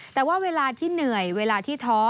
แต่ว่าเวลาที่เหนื่อยเวลาที่ท้อ